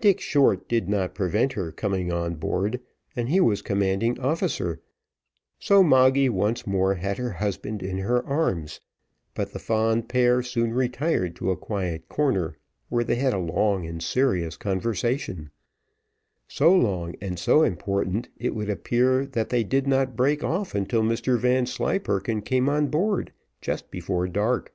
Dick Short did not prevent her coming on board, and he was commanding officer, so Moggy once more had her husband in her arms; but the fond pair soon retired to a quiet corner, where they had a long and serious conversation; so long, and so important, it would appear, that they did not break off until Mr Vanslyperken came on board, just before dark.